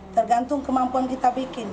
tergantung kemampuan kita bikin